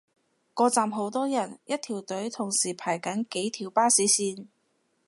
個站好多人，一條隊同時排緊幾條巴士線